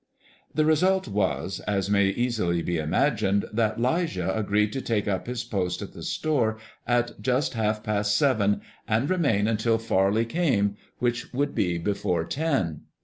The result was, as may easily be imagined, that 'Lijah agreed to take up his post at the store at just half past seven, and remain until Farley came, which would be before ten.